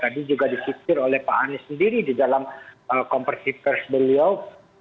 tadi juga disipir oleh pak anies sendiri di dalam kompersif kursus beliau